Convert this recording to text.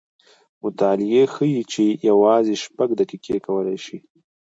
مطالعې ښیې چې یوازې شپږ دقیقې کولی شي